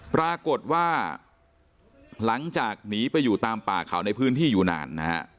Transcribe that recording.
ปรากฏว่าหลังจากหนีไปอยู่ตามป่าเขาในพื้นที่อยู่นานนะฮะ